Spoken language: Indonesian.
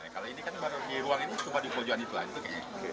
kalau ini kan baru di ruang ini cuma di pojok itu aja